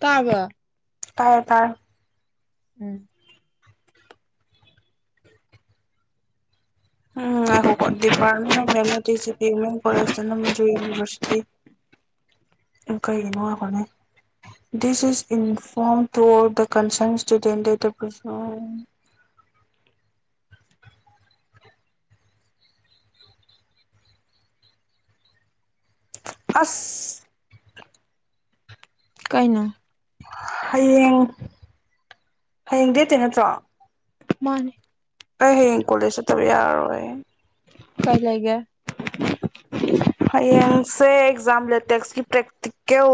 ꯇꯥꯕ ꯇꯥꯔꯦ ꯇꯥꯔꯦ ꯎꯝ ꯎꯝ ꯉꯥꯏꯈꯣꯀꯣ department of mathematics G P women college Dhanamanjuri university ꯀꯩꯒꯤꯅꯣ ꯍꯥꯏꯕꯅꯦ this is inform to the concern student that ꯑꯁ ꯀꯩꯅꯣ ꯍꯌꯦꯡ ꯍꯌꯦꯡ ꯗꯦꯠ ꯅꯠꯇ꯭ꯔꯣ ꯃꯥꯅꯤ ꯑꯩ ꯍꯌꯦꯡ ꯀꯣꯂꯦꯖ ꯆꯠꯇꯕ ꯌꯥꯔꯔꯣꯏ ꯀꯥꯏ ꯂꯩꯒꯦ ꯍꯌꯦꯡꯁꯦ ꯑꯦꯛꯖꯥꯝ ꯂꯦꯇꯦꯛꯁꯀꯤ ꯄ꯭ꯔꯦꯛꯇꯤꯀꯦꯜ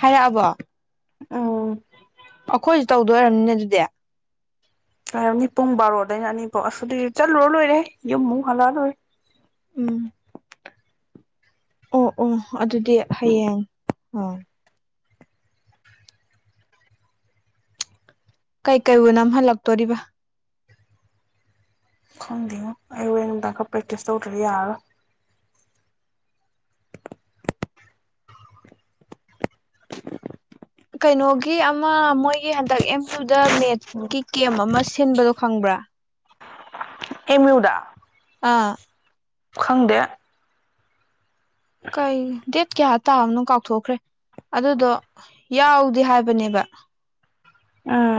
ꯍꯥꯏꯔꯛꯑꯕꯣ ꯎꯝ ꯑꯈꯣꯏꯁꯨ ꯇꯧꯗꯣꯏ ꯑꯣꯢꯔꯝꯅꯤꯅꯦ ꯑꯗꯨꯗꯤ ꯍꯥꯏꯔꯝꯅꯤ ꯄꯨꯡ ꯕꯥꯔꯣꯗꯩ ꯑꯅꯤꯐꯧ ꯑꯗꯤ ꯆꯠꯂꯨꯔ ꯂꯣꯏꯔꯦ ꯌꯨꯝꯃꯨꯛ ꯍꯜꯂꯛꯑ ꯂꯣꯏꯔꯦ ꯎꯝ ꯑꯣ ꯑꯣ ꯑꯗꯨꯗꯤ ꯍꯌꯦꯡ ꯑꯝ ꯀꯩ ꯀꯩ ꯑꯣꯏ ꯅꯝꯍꯜꯂꯛꯇꯣꯔꯤꯕ ꯈꯪꯗꯦꯉꯣ ꯑꯩ ꯍꯣꯔꯦꯟ ꯅꯨꯡꯗꯥꯡ ꯈꯔ ꯄꯔꯦꯛꯇꯤꯁ ꯇꯧꯗ꯭ꯔꯗꯤ ꯌꯥꯔꯔꯣꯢ ꯀꯩꯅꯣꯒꯤ ꯑꯃ ꯃꯣꯏ ꯑꯩ ꯍꯟꯗꯛ ꯑꯦꯝ ꯌꯨꯗ ꯃꯦꯠꯁꯀꯤ ꯀꯦꯝ ꯑꯃ ꯁꯤꯟꯕꯗꯣ ꯈꯪꯕ꯭ꯔꯥ ꯑꯦꯝ ꯌꯨ ꯗ ꯑꯥ ꯈꯪꯗꯦ ꯀꯥꯏ ꯗꯦꯠ ꯀꯌꯥ ꯇꯥꯕꯅꯣ ꯀꯥꯎꯊꯣꯛꯈ꯭ꯔꯦ ꯑꯗꯨꯗꯣ ꯌꯥꯎꯗꯤ ꯍꯥꯏꯕꯅꯦꯕ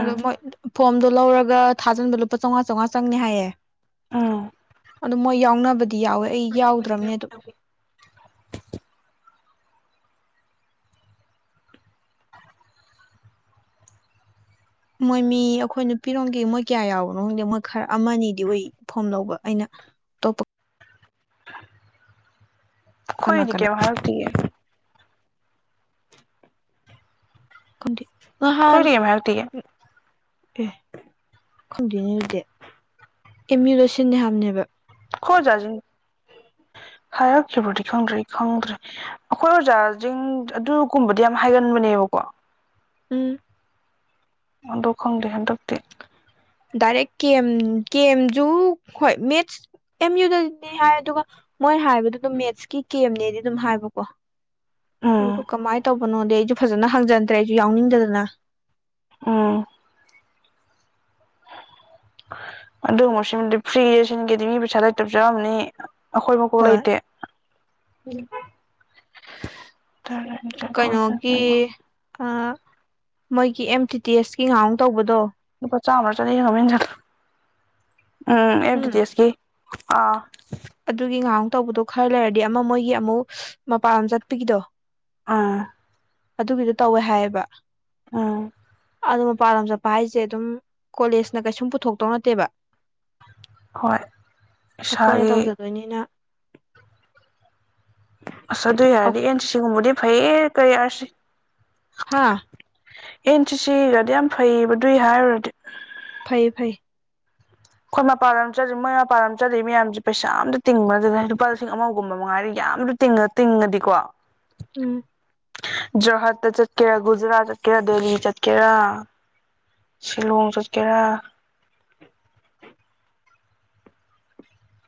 ꯑꯗꯣ ꯃꯣꯏ ꯐꯣꯝꯗꯣ ꯂꯧꯔꯒ ꯊꯥꯖꯤꯟꯕ ꯂꯨꯄꯥ ꯆꯧꯉꯥ ꯆꯧꯉꯥ ꯆꯪꯅꯤ ꯍꯥꯏꯌꯦ ꯎꯝ ꯑꯗꯨ ꯃꯣꯏ ꯌꯥꯎꯅꯕ ꯗꯤ ꯌꯥꯎꯋꯦ ꯑꯩ ꯌꯥꯎꯗ꯭ꯔꯕꯅꯦ ꯑꯗꯨꯝ ꯃꯣꯏ ꯃꯤ ꯑꯩꯈꯣꯏ ꯅꯨꯄꯤꯔꯣꯝꯒꯤ ꯃꯣꯏ ꯀꯌꯥ ꯌꯥꯎꯕꯅꯣ ꯈꯪꯗꯦ ꯃꯣꯏ ꯈꯔ ꯑꯃꯗꯤ ꯐꯣꯝ ꯂꯧꯕ ꯑꯩꯅ ꯑꯇꯣꯞꯄ ꯀꯅꯥ ꯈꯣꯏꯗꯤ ꯀꯅꯥ ꯀꯩꯝ ꯍꯥꯏꯔꯛꯇꯦ [unintelligible] ꯃꯍꯥꯟ ꯑꯩꯈꯣꯏꯗꯤ ꯀꯩꯝ ꯍꯥꯏꯔꯛꯇꯤꯌꯦ ꯑꯦ ꯈꯪꯗꯦꯅꯦ ꯑꯗꯨꯗꯤ ꯑꯦꯝ ꯌꯨꯗ ꯁꯤꯟꯅꯤ ꯍꯥꯏꯕꯅꯦꯕ ꯈꯣꯖꯥꯖꯤꯡ ꯍꯥꯏꯔꯛꯈꯤꯕꯗꯤ ꯈꯪꯗ꯭ꯔꯦ ꯈꯪꯗ꯭ꯔꯦ ꯑꯩꯈꯣꯏ ꯑꯣꯖꯥꯁꯤꯡ ꯑꯗꯨꯒꯨꯝꯕꯗꯤ ꯌꯥꯝ ꯍꯥꯏꯒꯟꯕꯅꯦꯕꯀꯣ ꯎꯝ ꯍꯟꯗꯣꯛ ꯈꯪꯗꯦ ꯍꯟꯗꯛꯇꯤ ꯗꯥꯏꯔꯦꯛ ꯀꯦꯝ ꯀꯦꯝꯦꯝꯁꯨ ꯍꯣꯏ ꯃꯦꯠꯁ ꯑꯦꯝ ꯌꯨꯗꯅꯦ ꯍꯥꯏ ꯑꯗꯨꯒ ꯃꯣꯏ ꯍꯥꯏꯕꯗꯨ ꯑꯗꯨꯝ ꯃꯦꯠꯁꯀꯤ ꯀꯦꯝꯅꯦꯗꯤ ꯑꯗꯨꯝ ꯍꯥꯏꯕꯀꯣ ꯑꯗꯨ ꯎꯝ ꯀꯃꯥꯏ ꯇꯄꯅꯣꯗꯦ ꯁꯨ ꯐꯖꯅ ꯍꯪꯖꯟꯗ꯭ꯔꯦ ꯑꯩꯁꯨ ꯌꯥꯎꯅꯤꯡꯗꯗꯅ ꯎꯝ ꯑꯗꯨꯃꯣꯁꯤꯗꯤ ꯐ꯭ꯔꯤꯁꯤ ꯀꯦꯗꯤ ꯃꯤ ꯄꯩꯁꯥ ꯂꯩ ꯇꯕꯁꯨ ꯑꯃꯅꯤꯝꯅꯤ ꯑꯩꯈꯣꯏ ꯃ ꯀ ꯍꯣꯏ ꯂꯩꯇ ꯎꯝ ꯆ ꯍ ꯆ ꯄꯥꯎ ꯀꯩꯅꯣꯒꯤ ꯍ ꯃꯣꯏꯒꯤ ꯑꯦꯝ ꯇꯤ ꯇꯤ ꯑꯦꯁꯀꯤ ꯉꯍ ꯇꯧꯕꯗꯣ ꯄꯥ ꯆꯥ ꯑꯃꯔ ꯆ ꯂꯩꯅꯃꯤ ꯆꯠ ꯎꯝ ꯑꯦꯗꯤ ꯇꯤꯁꯀꯤ ꯑꯥ ꯑꯗꯨꯒꯤ ꯉꯥꯏꯍꯥꯛ ꯇꯧꯕꯗꯣ ꯈꯔ ꯂꯩꯔꯗꯤ ꯑꯃ ꯃꯣꯏꯒꯤ ꯑꯃꯨꯛ ꯃꯄꯥꯟ ꯆꯠꯄꯒꯤꯗꯣ ꯑꯥ ꯑꯗꯨꯒꯤꯗꯨꯣ ꯇꯧꯋꯦ ꯍꯥꯏꯌꯦꯕ ꯑ ꯑꯗꯨ ꯃꯄꯥꯟ ꯂꯝ ꯆꯠꯄ ꯍꯥꯏꯁꯦ ꯑꯗꯨꯝ ꯀꯣꯂꯦꯖꯅ ꯀꯩꯁꯨꯝ ꯄꯨꯊꯣꯛꯇꯧ ꯅꯠꯇꯦꯕ ꯍꯣꯏ ꯑꯩꯈꯣꯏꯅ ꯏꯁꯥꯒꯤ ꯇꯧꯖꯗꯣꯏꯅꯤꯅ ꯑꯁ ꯑꯗꯨꯏ ꯍꯥꯏꯔꯗꯤ ꯑꯦꯟ ꯁꯤꯒꯨꯝꯕꯗꯤ ꯐꯩꯌꯦ ꯀꯩ ꯑꯁ ꯍꯥꯥ ꯑꯦꯟ ꯁꯤ ꯁꯤꯒꯗꯤ ꯌꯥꯝ ꯐꯩꯌꯦꯕ ꯑꯗꯨꯏ ꯍꯥꯏꯔꯨꯔꯗꯤ ꯐꯩꯌꯦ ꯐꯩꯌꯦ ꯈꯣꯏ ꯃꯄꯥꯟ ꯂꯝꯗ ꯆꯠꯂꯤ ꯃꯣꯏ ꯃꯄꯥꯟ ꯂꯝ ꯆꯠꯂꯤ ꯃꯌꯥꯝꯁꯦ ꯄꯩꯁꯥ ꯑꯝꯇ ꯇꯤꯡꯕ ꯅꯠꯇꯦ ꯂꯨꯄꯥ ꯂꯤꯁꯤꯡ ꯑꯃꯒꯨꯝꯕ ꯃꯉꯥꯏꯔ ꯌꯥꯝꯁꯨ ꯇꯤꯡꯉ ꯇꯤꯡꯉꯗꯤꯀꯣ ꯎꯝ ꯖꯔꯍꯥꯠꯇ ꯆꯠꯀꯦꯔꯥ ꯒꯨꯖꯔꯥꯠ ꯆꯠꯀꯦꯔꯥ ꯗꯦꯜꯍꯤ ꯆꯠꯀꯦꯔꯥ ꯁꯤꯂꯣꯡ ꯆꯠꯀꯦꯔꯥ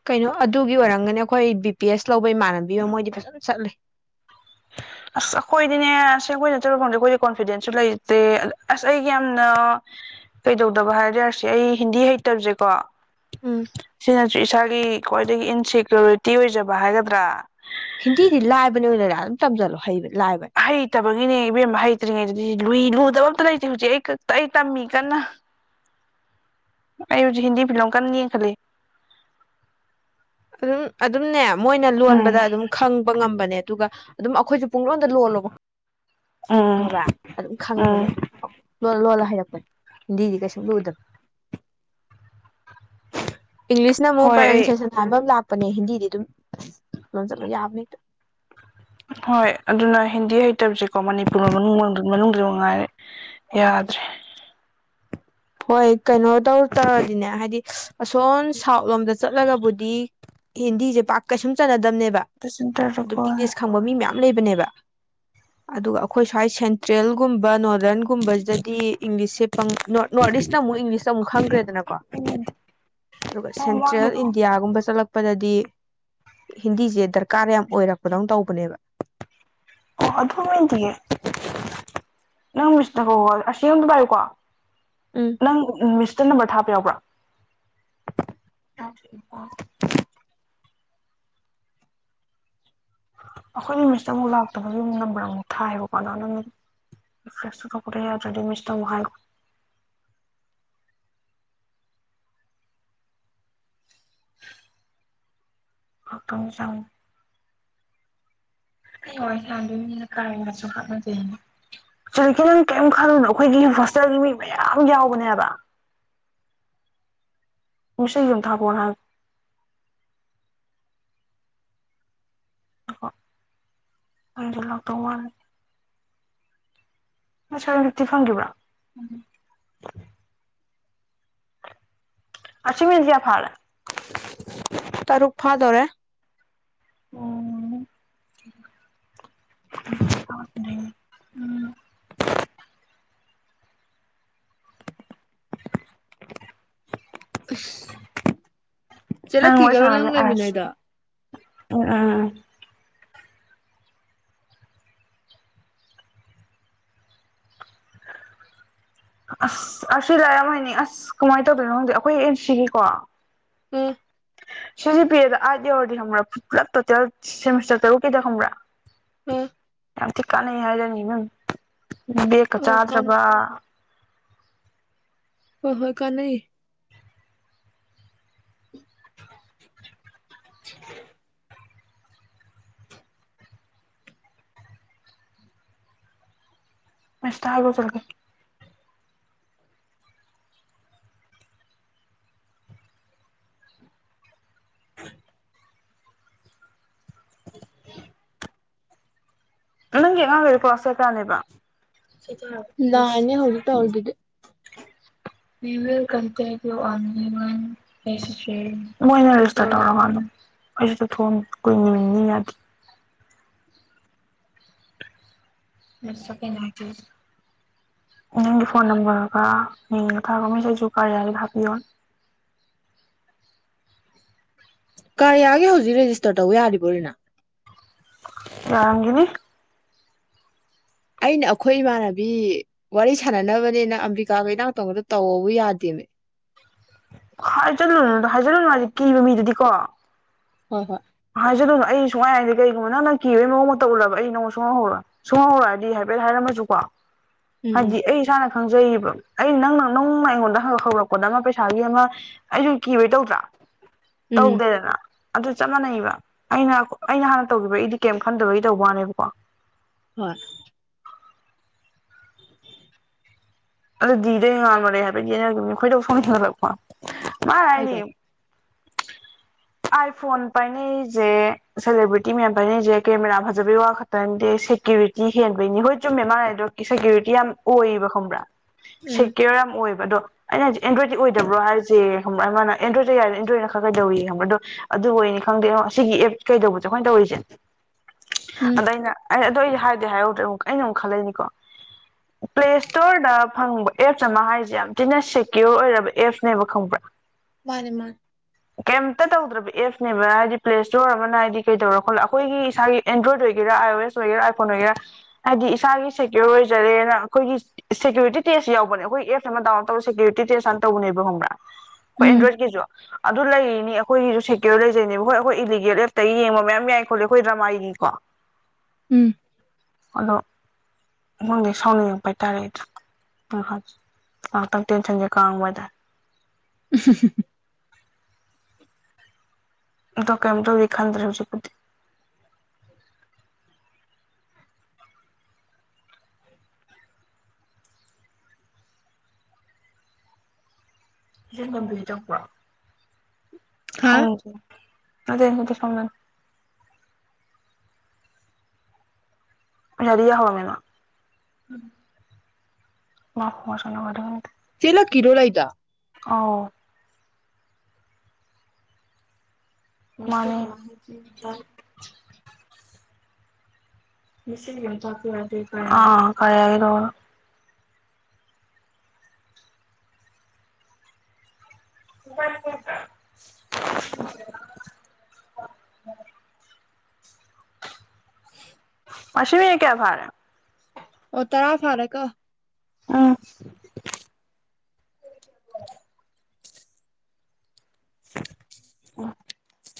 ꯀꯩꯅꯣ ꯑꯗꯨꯒꯤ ꯑꯣꯏꯔꯝꯒꯅꯤ ꯑꯩꯈꯣꯏ ꯕꯤ ꯄꯤ ꯑꯦꯁ ꯂꯧꯕ ꯏꯃꯥꯟꯅꯕꯤ ꯑꯃ ꯃꯣꯏꯗꯤ ꯐꯖꯅ ꯆꯠꯂꯤꯦ ꯑꯁ ꯑꯩꯈꯣꯏꯗꯤꯅꯦ ꯑꯁ ꯑꯩꯈꯣꯏ ꯆꯠꯇꯠꯂꯗ ꯑꯩꯈꯣꯏꯗꯤꯅꯦ ꯀꯣꯟꯐꯤꯗꯦꯟꯁꯁꯨ ꯂꯩꯇꯦ ꯑꯁ ꯑꯩꯒꯤ ꯌꯥꯝꯅ ꯀꯩꯗꯧꯗꯕ ꯍꯥꯏꯖꯔꯗꯤ ꯑꯩ ꯍꯤꯟꯗꯤ ꯍꯩꯇꯕꯁꯦꯀꯣ ꯎꯝ ꯁꯤꯅꯁꯨ ꯏꯁꯥꯒꯤ ꯈ꯭ꯋꯥꯏꯗꯒꯤ ꯏꯟꯁꯦꯀ꯭ꯌꯨꯔꯤꯇꯤ ꯑꯣꯏꯖꯕ ꯍꯥꯏꯒꯗ꯭ꯔꯥ ꯍꯤꯟꯗꯤꯗꯤ ꯂꯥꯏꯕꯅꯦ ꯑꯣꯏꯅꯔꯥ ꯑꯗꯨꯝ ꯇꯝꯁꯤꯜꯂꯣ ꯍꯩꯕꯅꯦ ꯍꯩꯇꯕꯒꯤꯅꯦ ꯏꯕꯦꯝꯃ ꯍꯩꯇ꯭ꯔꯤꯉꯩꯗꯗꯤ ꯂꯨꯏ ꯂꯨ ꯗꯕ ꯑꯝꯇ ꯂꯩꯇꯦ ꯍꯧꯖꯤꯛ ꯑꯩ ꯀ ꯑꯩ ꯇꯝꯃꯤ ꯀꯟꯅ ꯑꯩ ꯍꯧꯖꯤꯛ ꯍꯤꯟꯗꯤ ꯐꯤꯂꯝ ꯀꯟꯅ ꯌꯦꯡꯈꯠꯂꯤ ꯑꯗꯨꯝ ꯑꯗꯨꯝꯅꯦ ꯃꯣꯏꯅ ꯎꯝ ꯂꯣꯟꯕꯗ ꯑꯗꯨꯝ ꯈꯪꯕ ꯉꯝꯕꯅꯦ ꯑꯗꯨꯒ ꯑꯗꯨꯝ ꯑꯩꯈꯣꯏꯁꯨ ꯄꯨꯡꯂꯣꯟꯗ ꯂꯣꯜꯂꯣꯕ ꯎꯝ ꯈꯪꯉꯕ ꯑꯗꯨꯝ ꯎꯝ ꯈꯪꯕꯅꯦ ꯂꫭꯜ ꯂꯣꯜꯂ ꯍꯩꯔꯛꯄꯅꯦ ꯍꯤꯟꯗꯤꯗꯤ ꯀꯩꯁꯨ ꯂꯨꯗꯝ ꯏꯪꯂꯤꯁ ꯅ ꯃꯨꯛ ꯍꯣꯏ ꯑꯩ ꯄ꯭ꯔꯅꯟꯁꯦꯁꯟ ꯂꯥꯛꯄꯅꯦ ꯍꯤꯟꯗꯤꯗꯤ ꯑꯗꯨꯝ ꯂꯣꯟꯖꯜꯂꫭ ꯌꯥꯕꯅꯦ ꯍꯦꯇ ꯍꯣꯏ ꯑꯗꯨꯅ ꯍꯤꯟꯗꯤ ꯍꯩꯇꯕꯁꯦꯀꯣ ꯃꯅꯤꯄꯨꯔꯅ ꯃꯅꯨꯡ ꯃꯅꯨꯡꯗ ꯃꯉꯥꯏꯔꯦ ꯌꯥꯗ꯭ꯔꯦ ꯍꯣꯏ ꯀꯩꯅꯣ ꯇꯧ ꯇꯧꯔꯗꯤꯅꯦ ꯍꯥꯏꯗꯤ ꯑꯁꯣꯝ ꯁꯥꯎꯠ ꯂꯣꯝꯗ ꯆꯠꯂꯒꯕꯨꯗꯤ ꯍꯤꯟꯗꯤꯁꯦ ꯄꯥꯛ ꯀꯩꯁꯨꯝ ꯆꯟꯅ ꯗꯝꯅꯦꯕ ꯁꯦꯟꯇꯔꯗ ꯑꯗꯨꯝ ꯀꯣ ꯏꯪꯂꯤꯁ ꯈꯪꯕ ꯃꯤ ꯃꯌꯥꯝ ꯂꯩꯕꯅꯦꯕ ꯑꯗꯨꯒ ꯑꯈꯣꯏ ꯁ꯭ꯋꯥꯏ ꯁꯦꯟꯇ꯭ꯔꯦꯜꯒꯨꯝꯕ ꯅꫭꯔꯠ ꯔꯟꯒꯨꯝꯕꯁꯤꯗꯗꯤ ꯏꯪꯂꯤꯁꯁꯦ ꯄꯪ ꯅꯣꯠ ꯅꯣꯔꯠ ꯏꯁꯅ ꯑꯃꯨꯛ ꯏꯪꯂꯤꯁꯇ ꯑꯃꯨꯛ ꯈꯪꯗꯦ ꯈꯪꯒ꯭ꯔꯦꯗꯅꯀꯣ ꯑꯗꯨꯒ ꯅꯪ ꯁꯦꯟꯇ꯭ꯔꯦꯜ ꯃꯃꯥꯡꯒꯤꯗꯣ ꯏꯟꯗꯤꯌꯥꯒꯨꯝꯕ ꯆꯠꯂꯛꯄꯗꯗꯤ ꯍꯤꯟꯗꯤꯁꯦ ꯗꯔꯀꯥꯔ ꯌꯥꯝ ꯑꯣꯏꯔꯛꯄꯗꯧꯅ ꯇꯧꯕꯅꯦꯕ ꯑꯣ ꯑꯗꯨ ꯅꯠꯇꯤꯌꯦ ꯅꯪ ꯃꯤꯁꯅꯒ ꯋꯥꯏ ꯑꯁꯤ ꯑꯝ ꯄꯥꯏꯌꯨꯀꯣ ꯎꯝ ꯅꯪ ꯃꯤꯁ ꯇ ꯅꯝꯕꯔ ꯊꯥꯕ ꯌꯥꯎꯕ꯭ꯔꯥ ꯑꯩꯈꯣꯏꯅ ꯃꯤꯁꯇ ꯑꯃꯨꯛ ꯂꯥꯛꯇꯕꯒꯤ ꯑꯃꯨꯛ ꯅꯝꯕꯔ ꯑꯃꯨꯛ ꯊꯥꯏꯌꯦꯕꯀꯣ ꯀꯅꯥꯅꫭꯝ ꯔꯤꯐ꯭ꯔꯦꯁ ꯆꯠꯊꫭꯛꯄꯗ ꯌꯥꯗ꯭ꯔꯗꯤ ꯃꯤꯁꯇ ꯑꯃꯨꯛ ꯍꯥꯏꯈꯣ [inaudible] ꯉꯍꯥꯛꯇꯪ ꯆꯪ ꯑꯩ ꯋꯥꯔꯤ [unintelligible] ꯀꯔꯤꯀꯥ ꯅꯪ ꯀꯔꯤꯝ ꯈꯜꯂꯨꯅꯣ ꯑꯩꯈꯣꯏꯒꯤ ꯍꯣꯁꯇꯦꯜꯒꯤ ꯃꯤ ꯃꯌꯥꯝ ꯌꯥꯎꯕꯅꯦꯕ ꯃꯤꯁꯨ ꯌꯨꯝ [unintelligible] ꯑꯍ ꯍꯟꯖꯤꯜ ꯂꯛꯇ ꯋꯥꯅꯤ [unintelligible] ꯃꯁꯔ ꯃꯛꯇꯤ ꯈꯪꯒꯤꯕ꯭ꯔꯥ [unintelligible] ꯑꯁꯤ ꯃꯤꯅꯠ ꯀꯌꯥ ꯐꯥꯔꯦ ꯇꯔꯨꯛ ꯐꯥꯗꯣꯔꯦ ꯎꯝ ꯎꯝ ꯎꯝ ꯆꯦ ꯂꯛꯀꯤꯒꯔꯣ ꯅꯪ ꯂꯩꯃꯤꯟꯅꯩꯗꫭ ꯑ ꯑꯥ ꯑꯁ ꯑꯩ ꯂꯥꯏꯔꯤꯛ ꯌꯥꯝ ꯍꯩꯅꯤꯡꯏ ꯑꯁ ꯀꯃꯥꯏꯅ ꯇꯧꯗꯣꯏꯅꯣ ꯈꯪꯗꯦ ꯑꯈꯣꯏ ꯑꯦꯝ ꯁꯤꯒꯤꯀꯣ ꯎꯝ ꯁꯤꯁꯤ ꯄꯤ ꯑꯦꯗ ꯑꯥꯏꯠ ꯌꯧꯔꯗꯤ ꯈꯪꯕ꯭ꯔꯥ ꯄꯨꯂꯞ ꯇꯣꯇꯦꯜ ꯁꯦꯃꯤꯁꯇꯔ ꯇꯔꯨꯛꯀꯤꯗ ꯈꯪꯕ꯭ꯔꯥ ꯎꯝ ꯌꯥꯝ ꯊꯤ ꯀꯥꯟꯅꯩ ꯍꯥꯏꯔꯅꯤ ꯏꯃꯦꯝ ꯕꯦꯛꯀ ꯑ ꯀꯥꯟ ꯆꯥꯗ꯭ꯔꯕ ꯍꯣꯏ ꯍꯣꯏ ꯀꯥꯟꯅꯩ [unintelligible] ꯃꯦꯁꯇ ꯍꯥꯏꯕ ꯆꯔꯒꯦ [unintelligible] ꯅꯪꯒꯤ ꯑꯉꯥꯡ ꯈꯩꯗꯣ ꯀꯂ꯭ꯥꯁ ꯀꯌꯥ ꯀꯥꯅꯦꯕ ꯅꯥꯏꯟꯅꯦ ꯍꯧꯖꯤꯛ ꯇꯧꯔꯤꯗꯨꯗꯤ ꯃꯣꯏꯅꯁ ꯇꯧꯔ ꯑꯩꯁꯨ ꯊꯣꯡ ꯀꯨꯏꯅꯤ ꯌꯥꯗꯦ [unintelligible] ꯅꯪꯒꯤ ꯐꯣꯟ ꯅꯝꯕꯔꯒ ꯃꯤꯡꯒ ꯊꯥꯔꯛꯑꯣ ꯃꯤꯁ ꯑꯩꯒꯤꯁꯨ ꯀꯔꯤꯌꯥꯔꯒꯤꯗ ꯍꯥꯞꯄꯤꯌꯣ ꯀꯔꯌꯥꯒꯤ ꯍꯧꯖꯤꯛ ꯔꯦꯖꯤꯁꯇꯔ ꯇꯧꯕ ꯌꯥꯔꯤꯕꯣꯔꯤꯅ ꯌꯥꯔꯝꯈꯤꯅꯤ ꯑꯩꯅ ꯑꯩꯈꯣꯏ ꯏꯃꯥꯟꯅꯕꯤ ꯋꯥꯔꯤ ꯁꯥꯟꯅꯅꯕꯅꯤꯅ ꯑꯝꯕꯤꯀꯥꯒ ꯏꯅꯥꯎꯒ ꯇꯧꯕꯗꯣ ꯇꯧꯑꯣꯕꯨ ꯌꯥꯗꯦꯅꯦ ꯍꯥꯏꯖꯟꯂꯨꯅꯨꯗ ꯍꯥꯏꯖꯜꯂꯨꯅꯨ ꯍꯥꯏꯗꯤ ꯀꯤꯕ ꯃꯤꯗꯨꯗꯤꯀꯣ ꯍꯣꯏ ꯍꯣꯏ ꯍꯥꯏꯖꯟꯅꯨ ꯑꯩ ꯁꯨꯡ ꯍꯥꯏꯗꯦ ꯀꯩꯒꯨꯝꯕ ꯅꯪ ꯅꯪ ꯀꯤꯕꯒꯤ ꯃꯑꯣꯡ ꯃꯇꯧ ꯎꯂꯕ ꯑꯩ ꯅꯣꯡꯃ ꯁꯨꯪꯡꯍꯧ ꯍꯧꯔꯣꯏ ꯁꯨꯡꯍꯧ ꯍꯧꯔꯣꯏ ꯍꯥꯏꯗꯤ ꯍꯥꯏꯐꯦꯠ ꯍꯥꯏꯔꯝꯃꯁꯨꯀꯣ ꯎꯝ ꯎꯝ ꯍꯥꯏꯗꯤ ꯑꯩ ꯏꯁꯥꯅꯗꯤ ꯈꯪꯖꯩꯌꯦꯕ ꯑꯩ ꯅꯪꯅ ꯅꯪꯅ ꯑꯩꯉꯣꯟꯗ ꯍꯪ ꯍꯧꯔꯛꯄꯗ ꯑꯃ ꯄꯩꯁꯥꯒꯤ ꯑꯃ ꯑꯩꯁꯨ ꯀꯤꯕꯩ ꯇꯧꯗ꯭ꯔꯥ ꯎꯝ ꯇꯧꯗꯦꯗꯅ ꯑꯗꯨ ꯆꯞ ꯆꯞ ꯃꯥꯟꯅꯩꯕ ꯑꯩꯅ ꯑꯩꯅ ꯍꯥꯟꯅ ꯇꯧꯈꯤꯕ ꯑꯩꯗꯤ ꯀꯩꯝ ꯈꯟꯗꯕꯒꯤ ꯇꯧꯕ ꯋꯥꯅꯦꯕꯀꯣ ꯍꯣꯏ ꯑꯗꯨꯗꯤꯗ ꯉꯃꯔꯦ ꯍꯥꯏꯕꯗꯤ ꯑꯩꯅꯒꯤ ꯈꯣꯏꯗ ꯁꯣꯡ ꯍꯊꯜꯂꯛꯄ [unintelligible] ꯃꯥꯅ ꯀꯩ ꯍꯥꯏꯅꯦ ꯇꯧ ꯑꯥꯏ ꯐꯣꯟ ꯄꯥꯏꯅꯔꯤꯁꯦ ꯁꯦꯂꯦꯕ꯭ꯔꯤꯇꯤ ꯃꯌꯥꯝ ꯄꯥꯏꯅꯔꯤꯁꯦ ꯀꯦꯃꯦꯔꯥ ꯐꯖꯕꯩ ꯋꯥ ꯈꯛꯇ ꯅꯠꯇꯦ ꯁꯦꯀ꯭ꯌꯨꯔꯤꯇꯤ ꯍꯦꯟꯕꯩꯅꯤ ꯍꯣꯏ ꯆꯨꯝꯃꯦ ꯃꯥꯥꯅ ꯍꯥꯏꯗꯣ ꯁꯦꯀ꯭ꯌꯨꯔꯤꯇꯤ ꯌꯥꯝ ꯑꯣꯏꯌꯦꯕ ꯈꯪꯕ꯭ꯔꯥ ꯎꯝ ꯁꯦꯀ꯭ꯌꯣꯔ ꯌꯥꯝ ꯑꯣꯏꯕ ꯑꯗꯣ ꯑꯩꯅ ꯍꯧꯖꯤꯛ ꯑꯦꯟꯗꯣꯏꯗꯀꯤ ꯑꯣꯏꯗꯕ꯭ꯔꯣ ꯍꯥꯏꯔꯤꯁꯦ ꯈꯪꯕ꯭ꯔꯥ ꯃꯥꯅ ꯑꯦꯟꯗ꯭ꯔꯣꯏꯗꯠꯇ ꯌꯥꯔꯅ ꯑꯦꯟꯗ꯭ꯔꯣꯏꯗꯅ ꯈꯔ ꯀꯩꯗꯧꯋꯌꯦ ꯈꯪꯕ꯭ꯔꯥ ꯑꯗꯣ ꯑꯣꯏ ꯑꯣꯏꯅꯅꯤ ꯈꯪꯗꯦ ꯁꯤ ꯑꯦꯞ ꯀꯩꯗꯧꯕꯁꯦ ꯑꯩꯈꯣꯏꯅ ꯇꯧꯔꯤꯁꯦ ꯎꯝ ꯑꯗ ꯑꯩꯅ ꯑꯩ ꯑꯗꯨꯗꯣ ꯑꯩꯗꯤ ꯍꯥꯏꯗꯤ ꯍꯥꯏꯔꯧꯗ꯭ꯔꯦ ꯑꯃꯨꯛ ꯑꯩꯅ ꯑꯃꯨꯛ ꯈꯜꯂꯛꯅꯤꯀꯣ ꯄ꯭ꯂꯦ ꯏꯁꯇꯣꯔꯗ ꯈꯪꯕ ꯑꯦꯞꯁ ꯑꯃ ꯍꯥꯏꯔꯤꯁꯦ ꯌꯥꯝ ꯊꯤꯅ ꯁꯦꯀ꯭ꯌꯣꯔ ꯑꯣꯏꯔꯕ ꯑꯦꯞꯁꯅꯦꯕ ꯈꯪꯕ꯭ꯔꯥ ꯃꯥꯅꯦ ꯃꯥ ꯀꯩꯝꯇ ꯇꯧꯗ꯭ꯔꯕ ꯑꯦꯞꯅꯦꯕ ꯍꯥꯏꯗꯤ ꯄ꯭ꯂꯦ ꯏꯁꯇꯣꯔ ꯑꯃꯅ ꯍꯥꯏꯗꯤ ꯀꯩꯗꯧꯔ ꯈꯣꯠꯂ ꯑꯩꯈꯣꯏꯒꯤ ꯏꯁꯥꯒꯤ ꯑꯦꯟꯗ꯭ꯔꯣꯏꯗ ꯑꯣꯏꯒꯦꯔꯥ ꯑꯥꯏ ꯑꯣ ꯑꯦꯁ ꯑꯣꯏꯒꯦꯔꯥ ꯑꯥꯏꯐꯣꯟ ꯑꯣꯏꯒꯦꯔꯥ ꯍꯥꯏꯗꯤ ꯏꯁꯥꯒꯤ ꯁꯦꯀ꯭ꯌꯣꯔ ꯑꯣꯏꯖꯔꯦꯅ ꯑꯩꯈꯣꯏꯒꯤ ꯁꯦꯀ꯭ꯌꯨꯔꯤꯇꯤ ꯇꯦꯁ ꯌꯥꯎꯅꯦꯈꯣꯏ ꯑꯦ ꯑꯃꯗꯥꯎꯟ ꯇꯧꯔ ꯁꯦ꯭ꯌꯨꯔꯤꯇꯤꯦꯁ ꯑꯅ ꯇꯧꯕꯅꯦꯕ ꯈꯪꯕꯥ ꯍꯣꯏ ꯑꯦꯟꯗ꯭ꯔꯣꯏꯗꯀꯤꯁꯨ ꯑꯗꯨ ꯂꯩꯔꯤꯅꯤ ꯑꯩꯈꯣꯏꯒꯤꯁꯨ ꯁꯦꯀ꯭ꯌꯣꯔ ꯂꯩꯖꯩꯅꯦꯕ ꯍꯣꯏ ꯑꯩꯈꯣꯏ ꯏꯂꯤꯒꯦꯜ ꯑꯦꯞꯇ ꯌꯦꯡꯕ ꯃꯌꯥꯝ ꯌꯥꯏ ꯈꯣꯠꯂꯤ ꯑꯩꯈꯣꯏ ꯗꯃꯥꯏꯒꯤꯀꯣ ꯎꯝ ꯑꯗꯣ ꯅꯉꯣꯟꯗꯒꯤ ꯁꯥꯎꯅꯤꯡꯉꯛꯄ ꯍꯥꯏꯇꯥꯔꯦ ꯑꯩꯗ ꯑ ꯉꯥꯏꯍꯥꯛꯇꯪ ꯇꯦꯟꯁꯟꯁꯦ ꯀꯥꯡꯉꯣꯏꯗ [unintelligible] ꯗꯀꯥꯏ ꯑꯃꯗꯕꯤ ꯈꯥꯟꯗ꯭ꯔꯦ ꯍꯧꯖꯤ ꯀꯗꯤ ꯏ ꯉꯕꯤꯗ ꯀ ꯍꯥ ꯍꯪ ꯑꯗꯨꯗ ꯍꯇ ꯁꯪꯂꯥꯟ ꯔꯤꯌꯥ ꯍꯃꯦꯅ ꯃꯁꯗ ꯆꯂ ꯀꯤꯔꯣ ꯂ ꯏꯗ ꯑꯥꯎ ꯃꯥꯅꯦ [unintelligible] [unintelligible] [unintelligible] [unintelligible] [unintelligible] ꯑꯣ ꯇꯔꯥ ꯐꯔꯦꯀꫭ ꯑꯥ [unintelligible] [unintelligible]